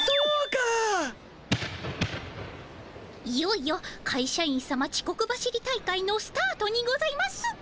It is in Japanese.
いよいよかいしゃ員さまちこく走り大会のスタートにございます。